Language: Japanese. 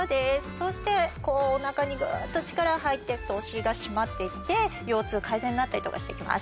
そしておなかにグッと力が入ってってお尻が締まって行って腰痛改善になったりとかして来ます。